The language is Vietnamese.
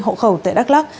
hộ khẩu tại đắk lắc